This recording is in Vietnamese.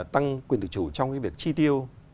tăng quyền tự chủ trong cái việc chi tiêu